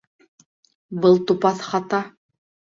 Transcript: Был тупаҫ хата